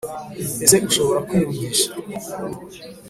Ese ushobora kwiyumvisha